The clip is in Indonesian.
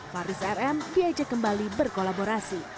faris rm diajak kembali berkolaborasi